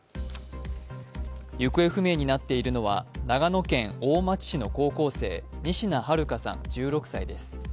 行方不明になっているのは、長野県大町市の高校生、仁科日花さん１６歳です。